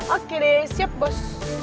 oke deh siap bos